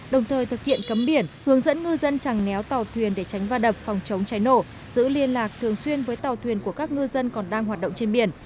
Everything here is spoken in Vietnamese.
đồng thời thực hiện cấm biển hướng dẫn ngư dân chẳng néo tàu thuyền để tránh va đập phòng chống cháy nổ giữ liên lạc thường xuyên với tàu thuyền của các ngư dân còn đang hoạt động trên biển